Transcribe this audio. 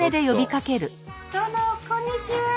どうもこんにちは。